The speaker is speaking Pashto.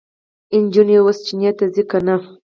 جينکۍ اوس چينې ته ځي که نه؟